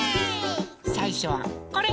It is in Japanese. さいしょはこれ。